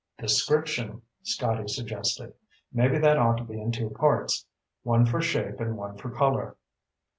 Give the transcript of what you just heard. "Description," Scotty suggested. "Maybe that ought to be in two parts. One for shape and one for color."